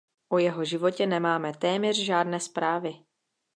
O jeho životě nemáme téměř žádné zprávy.